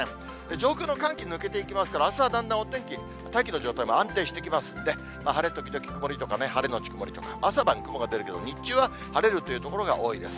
上空の寒気抜けていきますから、あすはだんだんお天気、大気の状態も安定してきますんで、晴れ時々曇りとか、晴れ後曇りとか、朝晩、雲が出るけど、日中は晴れるという所が多いです。